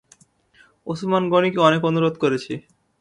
ওসমান গনিকে অনেক অনুরোধ করেছি।